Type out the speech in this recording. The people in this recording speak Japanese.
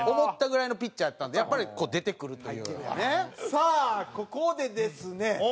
さあここでですね